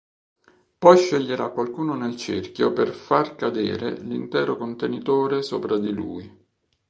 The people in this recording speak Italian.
Poi sceglierà qualcuno nel cerchio per "far cadere" l'intero contenitore sopra di lui.